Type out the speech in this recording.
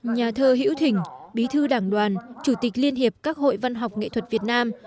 nhà thơ hiễu thình bí thư đảng đoàn chủ tịch liên hiệp các hội văn học nghệ thuật việt nam